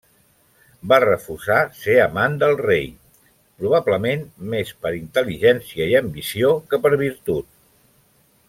Va Refusar ser amant del rei, probablement més per intel·ligència i ambició que per virtut.